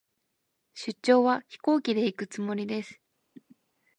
出張は、飛行機で行くつもりです。